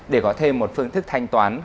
để có thêm một phương thức thanh toán